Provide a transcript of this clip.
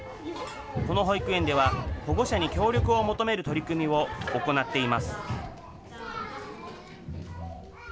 この保育園では、保護者に協力を求める取り組みを行っています。